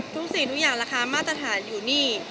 สิ่งทุกอย่างราคามาตรฐานอยู่นี่